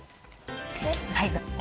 はい。